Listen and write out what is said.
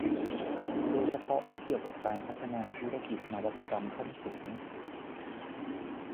โดยเฉพาะที่เกี่ยวกับการพัฒนาธุรกิจนวัตกรรมขั้นสูง